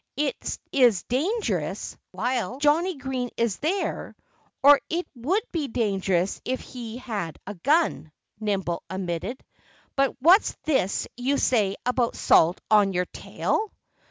"It is dangerous, while Johnnie Green is there or it would be dangerous if he had a gun," Nimble admitted. "But what's this you say about salt on your tail?"